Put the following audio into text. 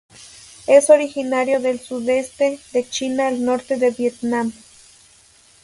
Es originario del sudeste de China al norte de Vietnam.